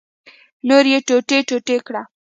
نور یې ټوټه ټوټه کړ.